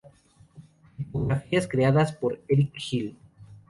Tipografías creadas por Eric Gill